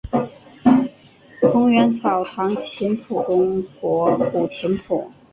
桐园草堂琴谱中国古琴谱。